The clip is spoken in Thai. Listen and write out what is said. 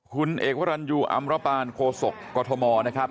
คุณเอกวรรณยูอำระปานโคศกกรทมนะครับ